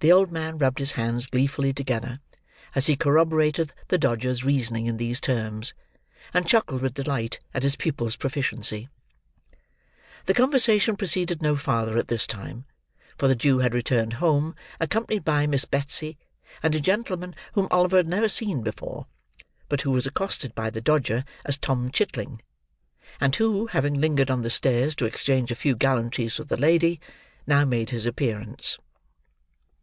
The old man rubbed his hands gleefully together, as he corroborated the Dodger's reasoning in these terms; and chuckled with delight at his pupil's proficiency. The conversation proceeded no farther at this time, for the Jew had returned home accompanied by Miss Betsy, and a gentleman whom Oliver had never seen before, but who was accosted by the Dodger as Tom Chitling; and who, having lingered on the stairs to exchange a few gallantries with the lady, now made his appearance.